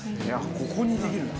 ここにできるんだ。